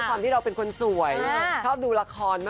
ทุกความที่เราเป็นคนสวยและชอบดูละคร